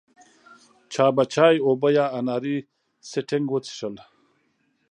چا به چای، اوبه یا اناري سټینګ وڅښل.